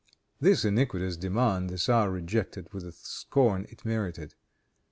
This iniquitous demand the tzar rejected with the scorn it merited.